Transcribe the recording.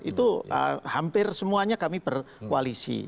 itu hampir semuanya kami berkoalisi